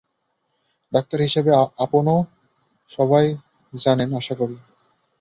Doctor হিসেবে আপনও সবই জানেন আশা করি।